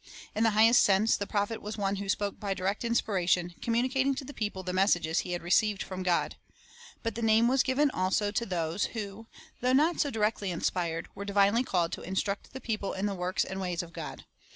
In the highest sense the prophet was one who spoke by direct inspiration, communicating to the people the messages he had received from God. But the name was given also to those who, though not so directly inspired, were divinely called to instruct the people in the works and ways of God.